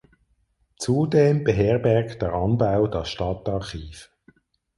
Zudem beherbergt der Anbau das Stadtarchiv.